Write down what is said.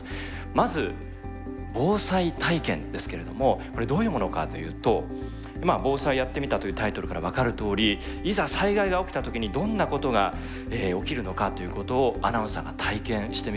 まず防災体験ですけれどもこれどういうものかというと「防災やってみた」というタイトルから分かるとおりいざ災害が起きた時にどんなことが起きるのかということをアナウンサーが体験してみるというものです。